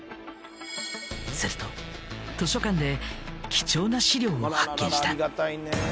すると図書館で貴重な資料を発見した。